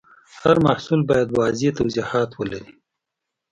هر محصول باید واضح توضیحات ولري.